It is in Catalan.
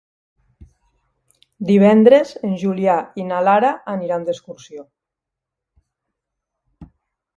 Divendres en Julià i na Lara aniran d'excursió.